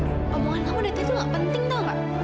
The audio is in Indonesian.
ngomongan kamu dari tadi nggak penting tahu nggak